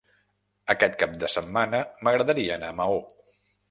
Aquest cap de setmana m'agradaria anar a Maó.